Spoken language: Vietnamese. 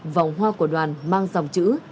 vòng hoa của đoàn mang dòng chữ